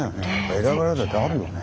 選ばれるだけあるよね。